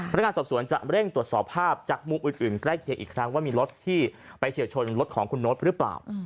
นักงานสอบสวนจะเร่งตรวจสอบภาพจากมุมอื่นใกล้เคียงอีกครั้งว่ามีรถที่ไปเฉียวชนรถของคุณโน๊ตหรือเปล่า